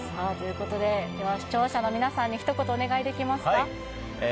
視聴者の皆さんに一言お願いできますか。